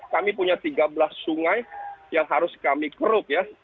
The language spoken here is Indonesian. kami punya tiga belas sungai yang harus kami kerup ya